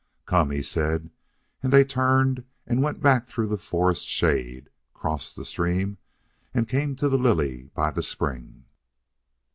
"Come," he said; and they turned and went back through the forest shade, crossed the stream and came to the lily by the spring.